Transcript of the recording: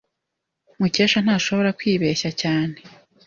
Mukesha ntashobora kwibeshya cyane.